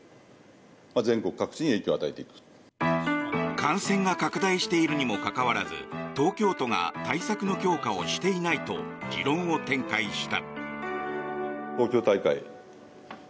感染が拡大しているにもかかわらず東京都が対策の強化をしていないと持論を展開した。